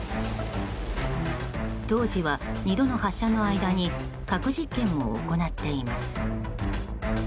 当時は２度の発射の間に核実験も行っています。